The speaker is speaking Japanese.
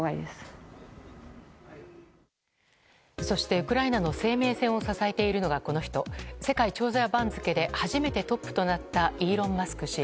そして、ウクライナの生命線を支えているのが、この人世界長者番付で初めてトップとなったイーロン・マスク